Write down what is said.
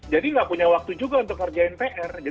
jadi tidak punya waktu juga untuk mengerjakan pr